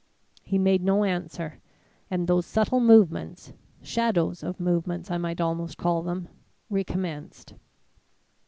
"He made no answer; and those subtle movements shadows of movements I might almost call them recommenced.